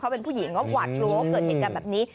เป็นผู้หญิงก็หวาดกลัวว่าเกิดเหตุการณ์แบบนี้